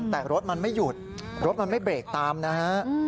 แต่รถมันไม่หยุดรถมันไม่เบรกตามนะฮะ